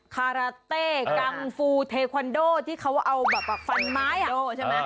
คาราเต้กังฟูเทควันโดที่เขาเอาแบบฟันไม้ใช่ไหม